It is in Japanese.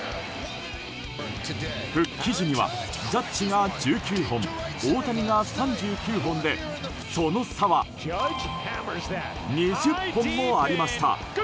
復帰時には、ジャッジが１９本大谷が３９本でその差は２０本もありました。